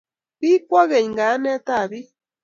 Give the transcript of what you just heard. Kikwo ngweny kayanetab bik